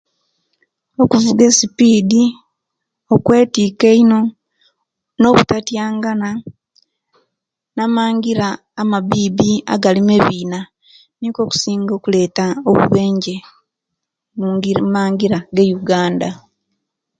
Okuvuga esipidi, okwetika eino no kutatyangana na'mangira amabibi agalimu ebiina nikwo okusinga okuleta obubenje omumangira ga Uganda.